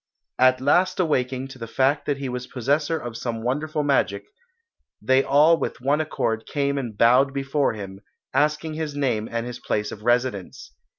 At last awaking to the fact that he was possessor of some wonderful magic, they all with one accord came and bowed before him, asking his name and his place of residence.